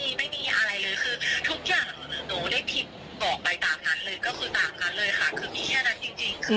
ก็คือตามนั้นเลยค่ะคือไม่ใช่แน่นั้นจริง